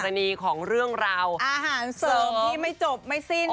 ณีของเรื่องราวอาหารเสริมที่ไม่จบไม่สิ้น